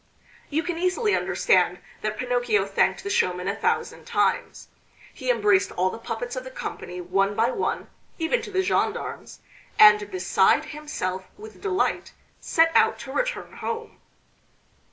You can easily understand that Pinocchio thanked the showman a thousand times. He embraced all the puppets of the company one by one, even to the gendarmes, and beside himself with delight set out to return home.